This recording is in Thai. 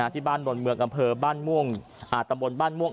ที่บ้านบนเมืองอัตโบร์นบ้านม่วงอัตโบร์นบ้านม่วง